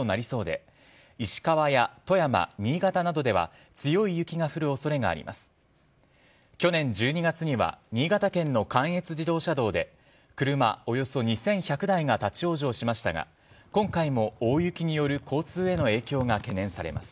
去年１２月には新潟県の関越自動車道で車およそ２１００台が立ち往生しましたが今回も大雪による交通への影響が懸念されます。